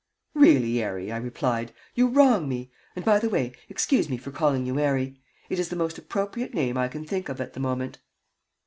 "Really, 'Arry," I replied, "you wrong me and, by the way, excuse me for calling you 'Arry. It is the most appropriate name I can think of at the moment."